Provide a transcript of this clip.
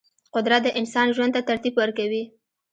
قدرت د انسان ژوند ته ترتیب ورکوي.